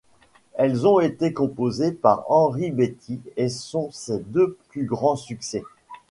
Elles ont été composées par Henri Betti et sont ses deux plus grands succès.